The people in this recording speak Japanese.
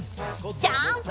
ジャンプ！